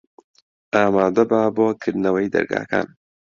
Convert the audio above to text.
ئامادە بە بۆ کردنەوەی دەرگاکان.